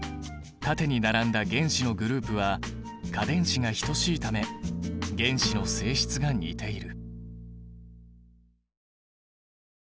縦に並んだ原子のグループは価電子が等しいため原子の性質が似ている。